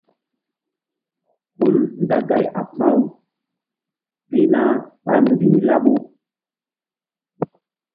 Hul nda gay a pa̧-u pihna ɓa mbih laɓu.